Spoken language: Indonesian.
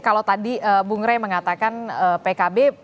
karena pak kray mengatakan pkb